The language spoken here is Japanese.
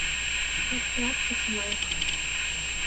人ってあってしまえば